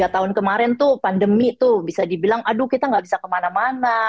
tiga tahun kemarin tuh pandemi tuh bisa dibilang aduh kita gak bisa kemana mana